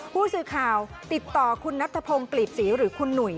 ผู้สื่อข่าวติดต่อคุณนัทธพงศ์กลีบศรีหรือคุณหนุ่ย